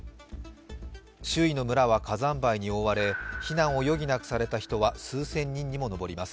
周囲の村は火山灰に覆われ、避難を余儀なくされた人は数千人も上ります。